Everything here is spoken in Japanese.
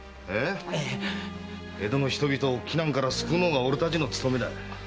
江戸の人々を危難から救うのが俺たちの務めだ。